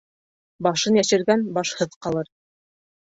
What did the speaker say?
Башын йәшергән башһыҙ ҡалыр.